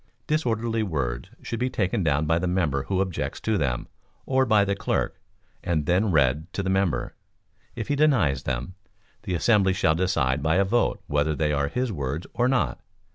Disorderly words should be taken down by the member who objects to them, or by the clerk, and then read to the member; if he denies them, the assembly shall decide by a vote whether they are his words or not.